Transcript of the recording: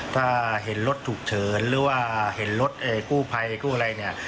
ถ้าเห็นรถถูกเฉินหรือว่าเห็นรถกู้ไพกู้อะไร